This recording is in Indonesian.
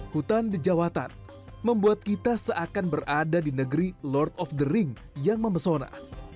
hutan dejawatan membuat kita seakan berada di negeri lord of the ring yang memesona